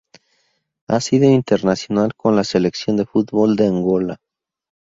Ha sido internacional con la Selección de fútbol de Angola.